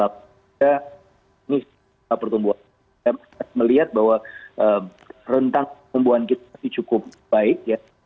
kita melihat bahwa rentang pertumbuhan kita cukup baik